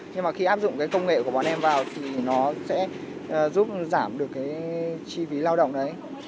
nhưng mà khi áp dụng cái công nghệ của bọn em vào thì nó sẽ giúp giảm được cái chi phí lao động đấy